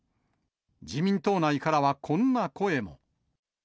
自民党内からはこんな声も。